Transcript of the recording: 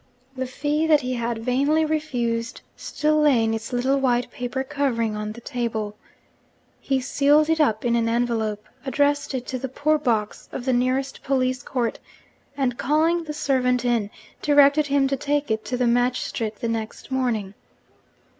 The fee that he had vainly refused still lay in its little white paper covering on the table. He sealed it up in an envelope; addressed it to the 'Poor box' of the nearest police court; and, calling the servant in, directed him to take it to the magistrate the next morning.